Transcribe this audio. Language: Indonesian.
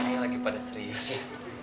saya lagi pada serius ya